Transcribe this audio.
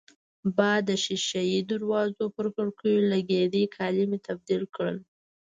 باد د شېشه يي دروازو پر کړکېو لګېده، کالي مې تبدیل کړل.